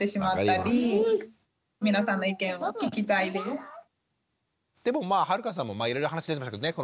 その反面でもまあ春香さんもいろいろ話出てましたけどね